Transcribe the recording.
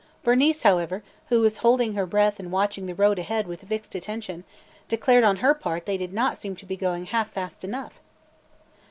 Bernice, however, who was holding her breath and watching the road ahead with fixed attention, declared on her part they did not seem to be going half fast enough.